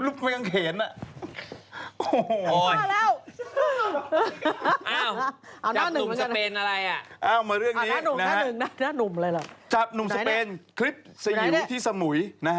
แล้วจากหนุ่มสเปน